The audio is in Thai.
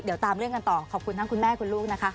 เดี๋ยวตามเรื่องกันต่อขอบคุณทั้งคุณแม่คุณลูกนะคะ